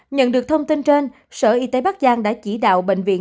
nhận được thông tin trên sở y tế bắc giang đã chỉ đạo bệnh viện